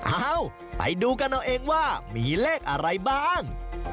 เอ้าไปดูกันเอาเองว่ามีเลขอะไรบ้าง